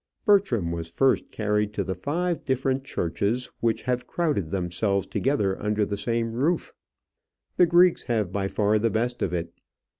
Bertram was first carried to the five different churches which have crowded themselves together under the same roof. The Greeks have by far the best of it.